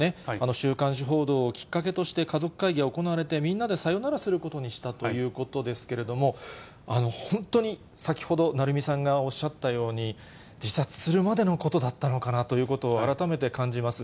週刊誌報道をきっかけとして、家族会議が行われて、みんなでさよならすることにしたということですけれども、本当に、先ほど鳴海さんがおっしゃったように、自殺するまでのことだったのかなということを改めて感じます。